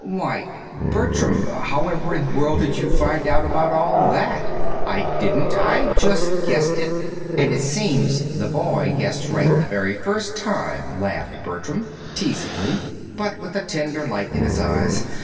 "Why, Bertram, however in the world did you find out about all that?" "I didn't. I just guessed it and it seems 'the boy guessed right the very first time,'" laughed Bertram, teasingly, but with a tender light in his eyes.